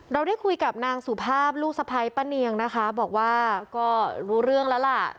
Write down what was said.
เราได้คุยกับนางสุภาพลูกสะพ้ายป้าเนียงนะคะบอกว่าก็รู้เรื่องแล้วล่ะ